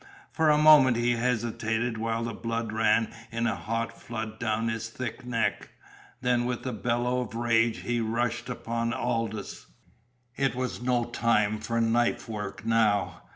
For a moment he hesitated while the blood ran in a hot flood down his thick neck. Then with a bellow of rage he rushed upon Aldous. It was no time for knife work now.